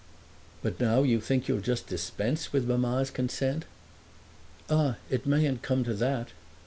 "But now you think you'll just dispense with mamma's consent?" "Ah it mayn't come to that!"